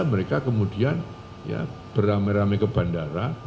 mereka kemudian beramai ramai ke bandara